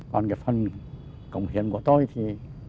còn cái phần cống hiến của tôi thì